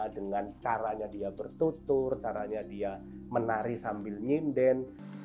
dengan caranya dia bertutur caranya dia menari sambil nginden